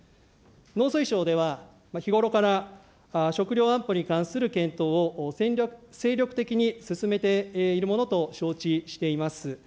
農水省では、日頃から食料安保に関する検討を精力的に進めているものと承知しています。